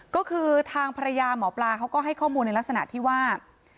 ก็คือทางภรรยาหมอปลาเขาก็ให้ข้อมูลในลักษณะที่ว่า